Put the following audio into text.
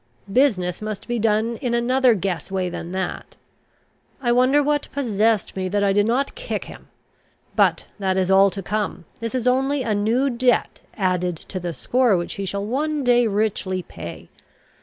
Business must be done in another guess way than that. I wonder what possessed me that I did not kick him! But that is all to come. This is only a new debt added to the score, which he shall one day richly pay.